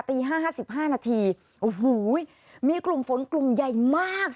ตี๕๕นาทีโอ้โหมีกลุ่มฝนกลุ่มใหญ่มาก